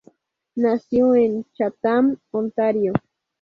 Nació en Chatham, Ontario.